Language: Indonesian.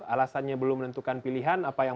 alasannya belum menentukan pilihan apa yang